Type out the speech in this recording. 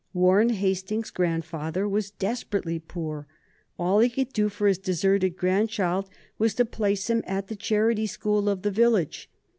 Warren Hastings's grandfather was desperately poor. All he could do for his deserted grandchild was to place him at the charity school of the village.